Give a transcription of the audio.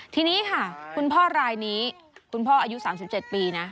ทีนี้ค่ะคุณพ่อรายนี้คุณพ่ออายุ๓๗ปีนะ